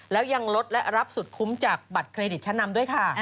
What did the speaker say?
แล้วยังลดและรับสุดคุ้มจากบัตรเครดิตชั้นนำด้วยค่ะ